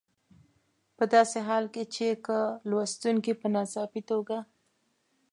په داسې حال کې چې که لوستونکي په ناڅاپي توګه.